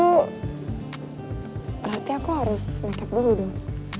berarti aku harus nekat dulu dong